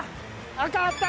赤あった。